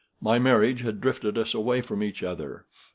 My marriage had drifted us away from each other.